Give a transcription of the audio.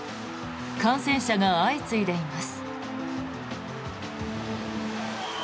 感染者が相次いでいます。